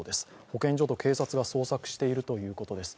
保健所と警察が捜索しているということです。